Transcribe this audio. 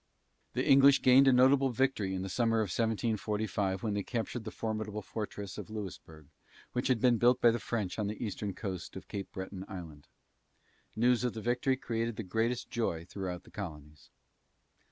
The English gained a notable victory in the summer of 1745 when they captured the formidable fortress of Louisburg, which had been built by the French on the eastern coast of Cape Breton Island. News of the victory created the greatest joy throughout the colonies.